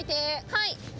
はい。